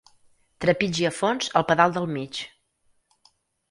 Trepitgi a fons el pedal del mig.